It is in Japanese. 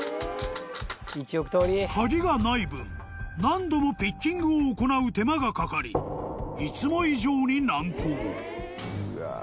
［鍵がない分何度もピッキングを行う手間がかかりいつも以上に］